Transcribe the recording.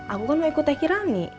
aku kan mau ikut tehki rani